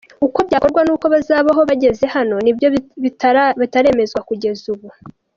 Uko byakorwa n’uko bazabaho bageze hano nibyo bitaremezwa kugeza ubu.”